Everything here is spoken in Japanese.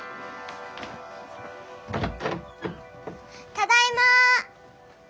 ただいま。